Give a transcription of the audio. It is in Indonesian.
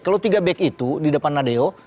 kalau tiga back itu di depan nadeo